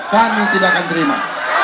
kami tidak akan terima